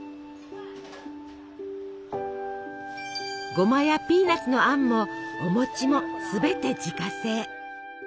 ごまやピーナツのあんもお餅もすべて自家製。